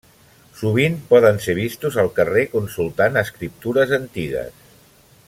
Sovint poden ser vistos al carrer consultant escriptures antigues.